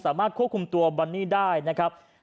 สามารถควบคุมตัวบันนี่ได้นะครับ